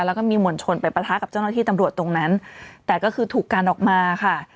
แล้วก็มีหมวลชนไปปะทะกับเจ้าหน้าที่ตำรวจตรงนั้นแต่ก็คือถูกกันออกมาค่ะ